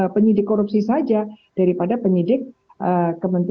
penyidik korupsi saja daripada penyidik kementerian